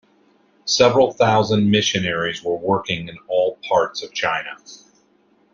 Several thousand missionaries were working in all parts of China.